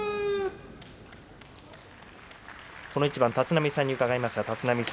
この一番、立浪さんに伺います。